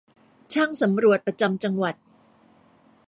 ช่างสำรวจประจำจังหวัด